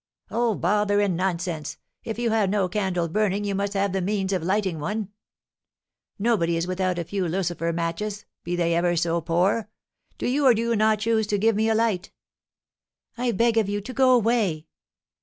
"Oh, bother and nonsense! If you have no candle burning you must have the means of lighting one. Nobody is without a few lucifer matches, be they ever so poor. Do you or do you not choose to give me a light?" "I beg of you to go away."